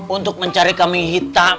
untuk mencari kaming hitam